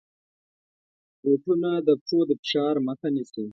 بوټونه د پښو د فشار مخه نیسي.